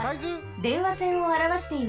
電話線をあらわしています。